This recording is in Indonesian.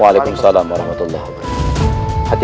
waalaikumsalam warahmatullahi wabarakatuh